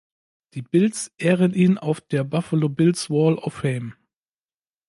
Die Bills ehren ihn auf der Buffalo Bills Wall of Fame.